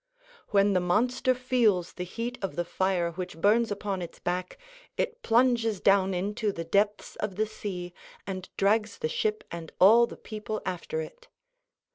When the monster feels the heat of the fire which burns upon its back, it plunges down into the depths of the sea, and drags the ship and all the people after it.